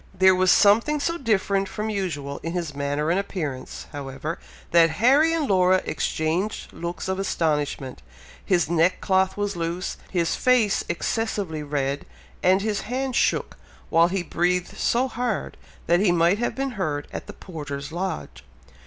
There was something so different from usual in his manner and appearance, however, that Harry and Laura exchanged looks of astonishment; his neckcloth was loose his face excessively red and his hand shook, while he breathed so hard, that he might have been heard at the porter's lodge.